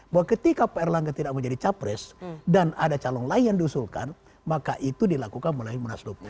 bahwa ketika pak erlangga tidak menjadi capres dan ada calon lain yang diusulkan maka itu dilakukan melalui munaslup